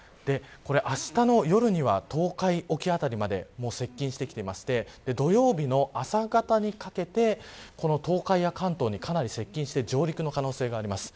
あしたの夜には東海沖辺りまで接近してきていまして土曜日の朝方にかけて東海や関東にかなり接近して上陸の可能性があります。